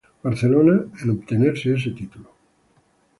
Barcelona, en obtener ese título.